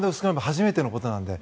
初めてのことなので。